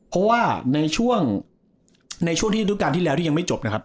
เพราะว่าในช่วงที่ทุกการณ์ที่แล้วที่ยังไม่จบนะครับ